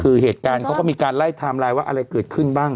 คือเหตุการณ์เขาก็มีการไล่ไทม์ไลน์ว่าอะไรเกิดขึ้นบ้าง